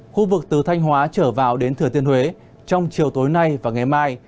khu vực từ thanh hóa trở vào đến thừa tiên huế trong chiều tối nay và ngày mai